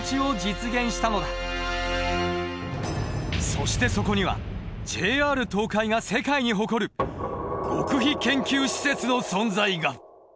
そしてそこにはＪＲ東海が世界に誇る極秘研究施設の存在が。